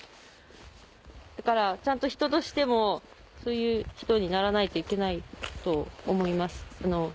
だからちゃんと人としてもそういう人にならないといけないと思います。